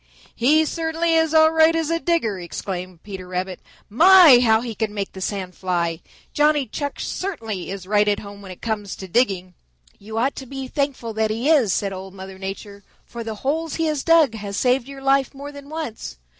"He certainly is all right as a digger," exclaimed Peter Rabbit. "My, how he can make the sand fly! Johnny Chuck certainly is right at home when it comes to digging." "You ought to be thankful that he is," said Old Mother Nature, "for the holes he has dug have saved your life more than once.